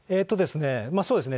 そうですね。